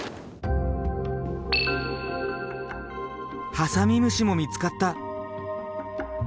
ハサミムシも見つかった。